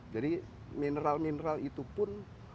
jadi mineral mineral itu pun